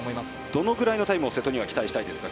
どのぐらいのタイムを瀬戸には期待したいですか？